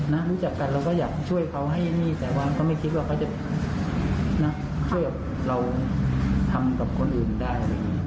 นะช่วยกับเราทำกับคนอื่นได้